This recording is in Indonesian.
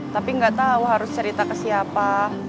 tapi gak tau harus cerita ke siapa